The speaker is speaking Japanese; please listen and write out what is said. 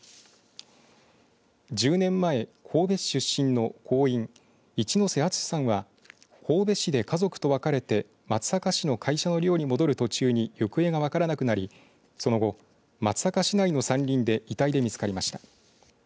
１０年前、神戸市出身の工員一瀬敦さんは神戸市で家族と別れて松阪市の会社の寮に戻る途中に行方が分からなくなり、その後松阪市内の山林で遺体で見つかりました。